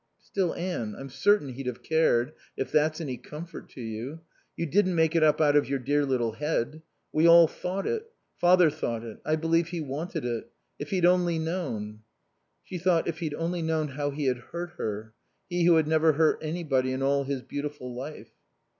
"Still, Anne, I'm certain he'd have cared if that's any comfort to you. You didn't make it up out of your dear little head. We all thought it. Father thought it. I believe he wanted it. If he'd only known!" She thought: If he'd only known how he had hurt her, he who had never hurt anybody in all his beautiful life.